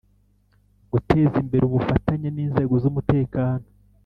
Guteza imbere ubufatanye n’ inzego z’ umutekano